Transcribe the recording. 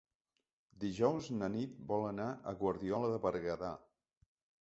Dijous na Nit vol anar a Guardiola de Berguedà.